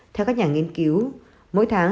theo các nhà nghiên cứu mỗi tháng